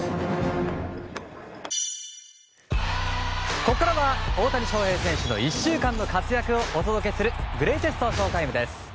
ここからは大谷翔平選手の１週間の活躍をお伝えするグレイテストＳＨＯ‐ＴＩＭＥです。